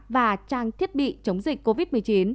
và trang thiết bị chống dịch covid một mươi chín